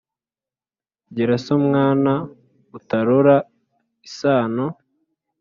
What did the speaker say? Gira so mwana utarora isano